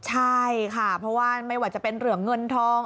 ใช่ค่ะเพราะว่าไม่ว่าจะเป็นเหลืองเงินทอง